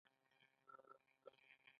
د سکون لپاره ایمان اړین دی